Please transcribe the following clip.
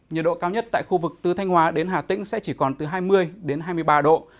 nhiệt độ cao nhất tại khu vực từ thanh hóa đến hà tĩnh sẽ chỉ còn từ hai mươi đến hai mươi ba độ